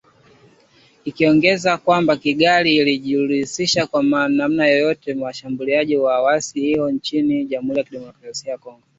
ikiongezea kwamba Kigali haijihusishi kwa namna yoyote na mashambulizi ya waasi hao nchini Jamuhuri ya Demokrasia ya Kongo